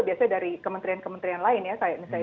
biasanya dari kementerian kementerian lain ya kayak misalnya